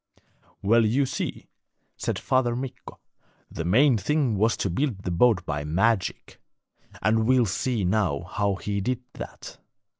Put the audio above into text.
'Well, you see,' said Father Mikko, 'the main thing was to build the boat by magic, and we'll see now how he did that.